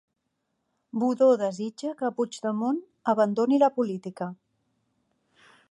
Budó desitja que Puigdemont abandoni la política